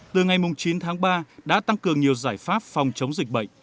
từ ngày chín tháng ba đã tăng cường nhiều giải pháp phòng chống dịch bệnh